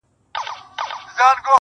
ولاړ انسان به وي ولاړ تر اخریته پوري.